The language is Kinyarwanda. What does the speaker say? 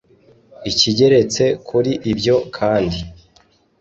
Ikigeretse kuri ibyo kandi